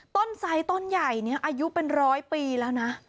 ต้นไซดต้นใหญ่นี้อายุเป็นร้อยปีแล้วนะ